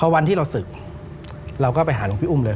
วันที่เราศึกเราก็ไปหาหลวงพี่อุ้มเลย